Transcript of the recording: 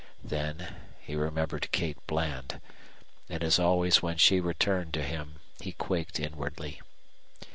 Then he remembered Kate Bland, and, as always when she returned to him, he quaked inwardly.